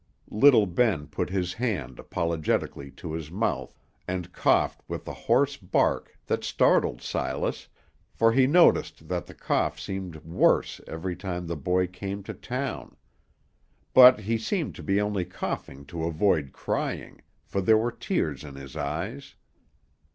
Little Ben put his hand apologetically to his mouth, and coughed with a hoarse bark that startled Silas, for he noticed that the cough seemed worse every time the boy came to town. But he seemed to be only coughing to avoid crying, for there were tears in his eyes.